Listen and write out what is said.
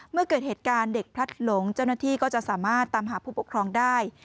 เมื่อเกิดเหตุการณ์เด็กพลัดหลงเจ้าหน้าที่ก็จะสามารถตามหาผู้ปกครองได้